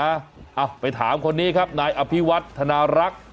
เอาไปถามคนนี้ครับนายอภิวัฒนารักษ์